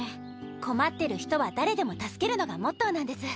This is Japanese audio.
困ってる人は誰でも助けるのがモットーなんです。